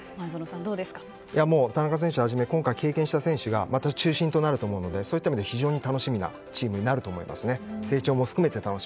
田中選手をはじめ今回、経験した選手がまた中心となると思うのでそういった意味で非常に楽しみなチームになると思いますね。